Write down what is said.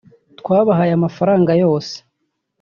“Twabahaye amafaranga yose